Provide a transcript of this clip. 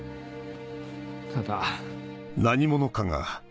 ただ。